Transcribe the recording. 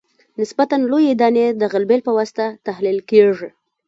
نسبتاً لویې دانې د غلبیل په واسطه تحلیل کیږي